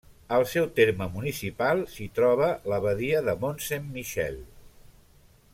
Al seu terme municipal s'hi troba l'abadia de Mont Saint-Michel.